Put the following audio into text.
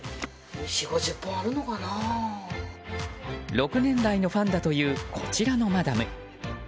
６年来のファンだというこちらのマダム。